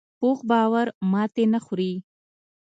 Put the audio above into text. پوخ باور ماتې نه خوري